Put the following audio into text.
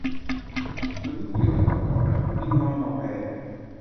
Đứng giữa mà cà rỡn, đi mau mà về